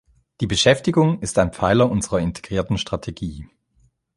Die Beschäftigung ist ein Pfeiler unserer integrierten Strategie.